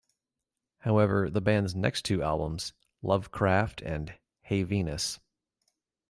However, the band's next two albums, "Love Kraft" and "Hey Venus!